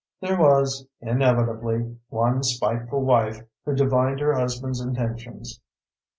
There was, inevitably, one spiteful wife who divined her husband's intentions.